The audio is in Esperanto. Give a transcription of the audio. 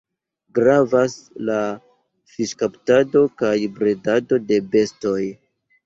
Gravas la fiŝkaptado kaj bredado de bestoj.